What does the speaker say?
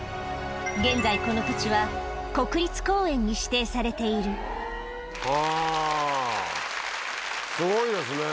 現在この土地はに指定されているはぁすごいですね。